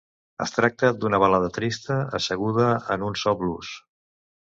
Es tracta d'una balada trista asseguda en un so blues.